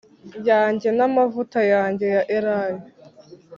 Yanjye n amavuta yanjye ya elayo